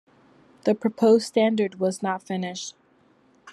The proposed standard was not finished.